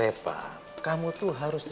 aku ada materai om